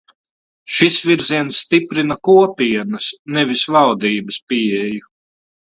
Šis virziens stiprina Kopienas, nevis valdības pieeju.